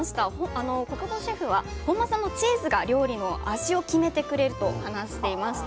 小久保シェフは本間さんのチーズが料理の味を決めてくれると話していました。